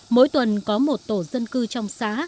mỗi tuần có một tổ dân cư trong xá